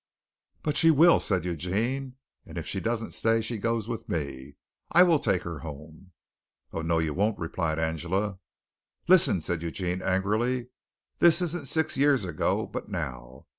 "But she will," said Eugene; "and if she don't stay, she goes with me. I will take her home." "Oh, no, you won't!" replied Angela. "Listen," said Eugene angrily. "This isn't six years ago, but now.